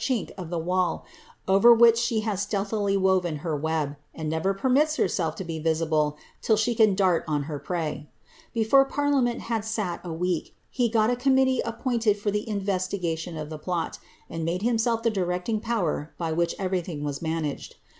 iiiik of the wall, over whirh she has stealthily woven her \uK:iMd novi r jHrniits herself to be visible till she can dart on herprtj. InJop' the parliament had sal a week, he irot a comuiittee appointed lt< t!.r iiive>ii;;aiii)n of tlie plot, and made liimself the directing power by \i!iirii evtryihing wa manai^id.